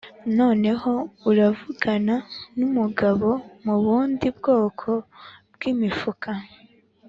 noneho uravugana numugabo mubundi bwoko bwimifuka